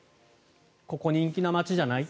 ここ人気な街じゃない？